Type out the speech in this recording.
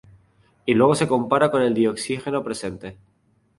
Y luego se compara con el dioxígeno presente.